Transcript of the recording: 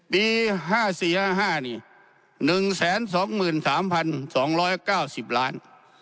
ปี๕๔๕๕นี่๑๒๓๒๙๐ล้าน